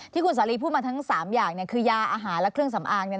ที่คุณสาลีพูดมาทั้ง๓อย่างเนี่ยคือยาอาหารและเครื่องสำอางเนี่ย